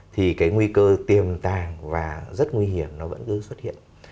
thì cái nguy cơ tiềm tàng và rất nguy hiểm nó vẫn cứ xuất hiện